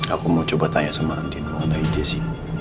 aku mau coba tanya sama andi mengenai jessy